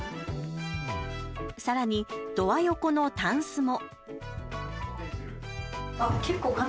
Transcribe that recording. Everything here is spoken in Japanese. さらに、ドア横のたんすも。